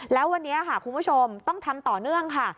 แล้ววันนี้ค่ะคุณผู้ชมต้องทำต่อเนื่องค่ะ